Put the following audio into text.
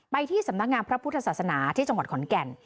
ที่สำนักงานพระพุทธศาสนาที่จังหวัดขอนแก่น